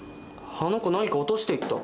あの子何か落としていった。